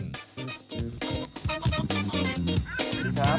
สวัสดีครับ